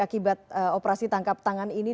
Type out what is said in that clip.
akibat operasi tangkap tangan ini